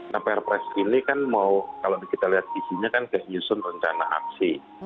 nah prpes ini kan mau kalau kita lihat isinya kan kayak nyusun rencana aksi